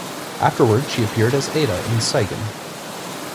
Afterwards she appeared as Aida in Siegen.